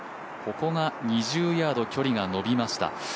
ここが２０ヤード距離が延びました。